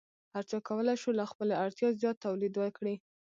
هر چا کولی شو له خپلې اړتیا زیات تولید وکړي.